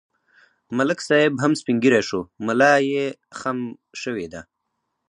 ملک صاحب هم سپین ږیری شو، ملایې خم شوې ده.